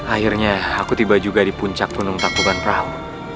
akhirnya aku tiba juga di puncak penung takbuban perahu